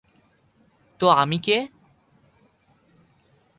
তো আমি কে?